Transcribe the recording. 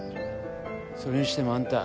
それにしてもあんた。